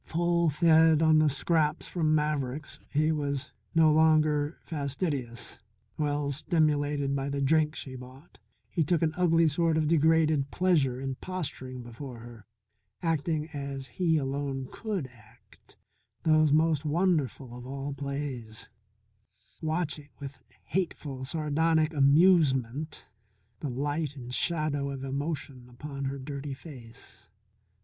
Full fed on the scraps from Maverick's he was no longer fastidious well stimulated by the drink she brought, he took an ugly sort of degraded pleasure in posturing before her, acting as he alone could act those most wonderful of all plays, watching with hateful, sardonic amusement the light and shadow of emotion upon her dirty face.